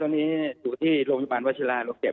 ตอนนี้ฐูที่โรงพยาบาลวาชิลารวมเจ็บ